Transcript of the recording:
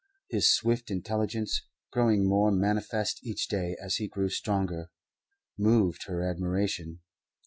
His swift intelligence, growing more manifest each day as he grew stronger, moved her admiration.